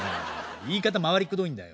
言い方回りくどいんだよ。